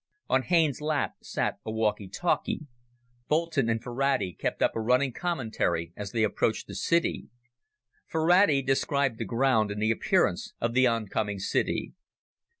On Haines's lap sat a walkie talkie. Boulton and Ferrati kept up a running commentary as they approached the city. Ferrati described the ground and the appearance of the oncoming city.